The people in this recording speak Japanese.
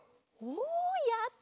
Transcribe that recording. おやったね！